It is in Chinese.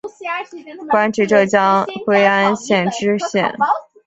官至浙江归安县知县。